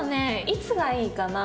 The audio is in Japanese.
いつがいいかな？